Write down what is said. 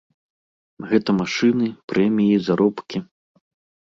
Гэта машыны, прэміі, заробкі.